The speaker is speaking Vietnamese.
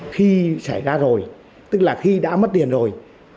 khi xảy ra rồi tức là khi đã mất điện rồi